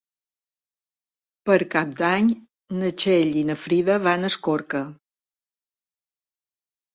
Per Cap d'Any na Txell i na Frida van a Escorca.